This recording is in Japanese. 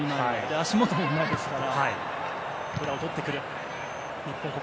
足元もうまいですから。